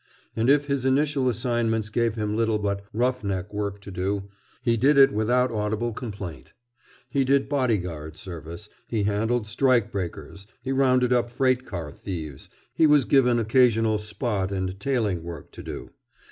And if his initial assignments gave him little but "rough neck" work to do, he did it without audible complaint. He did bodyguard service, he handled strike breakers, he rounded up freight car thieves, he was given occasionally "spot" and "tailing" work to do.